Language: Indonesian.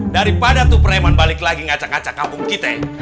daripada tuh preman balik lagi ngacak kaca kampung kita